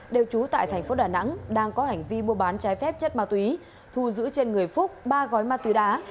đều trú tại thành phố đà nẵng đang có hành vi mua bán trái phép chất ma túy thu giữ trên người phúc ba gói ma túy đá